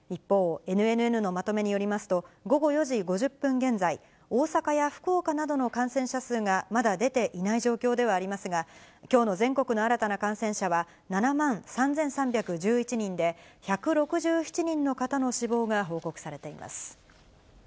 一方、ＮＮＮのまとめによりますと、午後４時５０分現在、大阪や福岡などの感染者数がまだ出ていない状況ではありますが、きょうの全国の新たな感染者は７万３３１１人で、１６７人の方の死亡が報告されています。